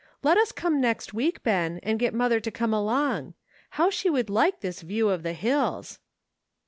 Let us come next week, Ben, and get mother to come along. How she would like this view of the hills."